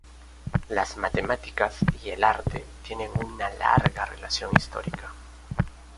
Las matemáticas y el arte tienen una larga relación histórica.